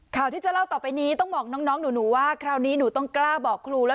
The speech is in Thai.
ข่าวที่จะเล่าต่อไปนี้ต้องบอกน้องหนูว่าคราวนี้หนูต้องกล้าบอกครูแล้ว